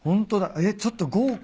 えっちょっと豪華。